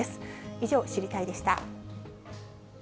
以上、知りたいッ！でした。